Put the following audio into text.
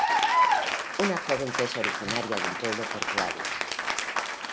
Una joven que es originaria de un pueblo portuario.